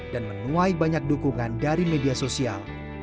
dan menuai banyak dukungan dari media sosial